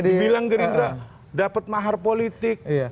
dibilang gerindra dapat mahar politik